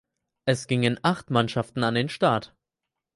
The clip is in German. Es gingen acht Mannschaften an den Start.